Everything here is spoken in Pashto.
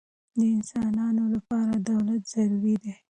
د انسانانو له پاره دولت ضروري دئ.